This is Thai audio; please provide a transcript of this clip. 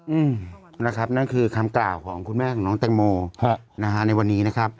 อืมนะครับนั่นคือคำกล่าวของคุณแม่ของน้องแตงโมฮะนะฮะในวันนี้นะครับ